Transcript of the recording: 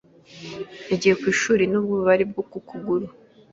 Yagiye ku ishuri nubwo ububabare bwo ku kuguru.